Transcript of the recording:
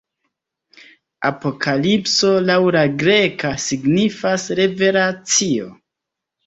Apokalipso, laŭ la greka, signifas "Revelacio".